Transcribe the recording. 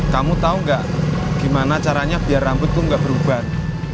kamu tau gak gimana caranya biar rambut lo gak beruban